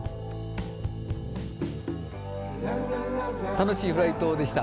楽しいフライトでした。